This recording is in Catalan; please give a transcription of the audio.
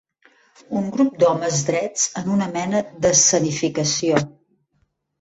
Un grup d'homes drets en una mena d'escenificació.